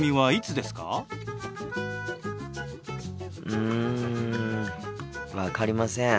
うん分かりません。